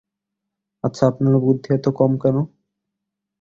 আচ্ছা আপনার বুদ্ধি এত কম কেন?